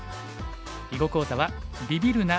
囲碁講座は「ビビるな！